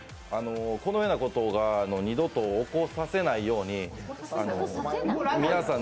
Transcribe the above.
このようなことが二度と起こさせないように皆さん